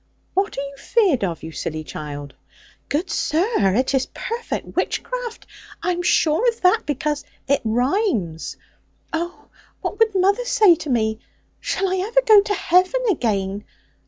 What are you feared of, you silly child?' 'Good sir, it is perfect witchcraft! I am sure of that, because it rhymes. Oh, what would mother say to me? Shall I ever go to heaven again?